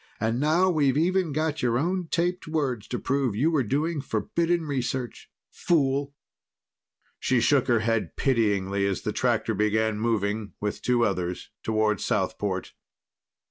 And now we've even got your own taped words to prove you were doing forbidden research. Fool!" She shook her head pityingly as the tractor began moving with two others toward Southport.